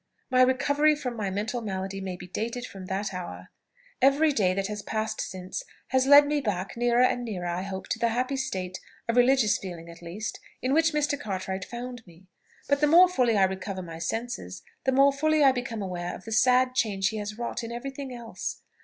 My recovery from my mental malady may be dated from that hour. Every day that has passed since has led me back nearer and nearer, I hope, to the happy state (of religious feeling at least) in which Mr. Cartwright found me. But the more fully I recover my senses, the more fully I become aware of the sad change he has wrought in every thing else.